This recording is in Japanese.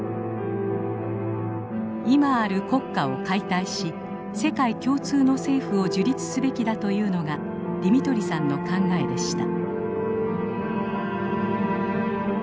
今ある国家を解体し世界共通の政府を樹立すべきだというのがディミトリさんの考えでした。